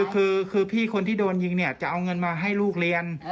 คือพี่คนที่โดนยิงเนี่ยจะเอาเงินมาให้ลูกเรียน